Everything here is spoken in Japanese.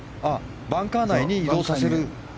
バンカー内に移動させる。